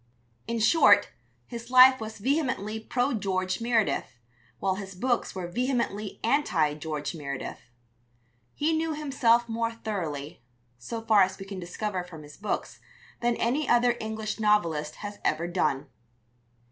In short, his life was vehemently pro George Meredith, while his books were vehemently anti George Meredith. He knew himself more thoroughly, so far as we can discover from his books, than any other English novelist has ever done.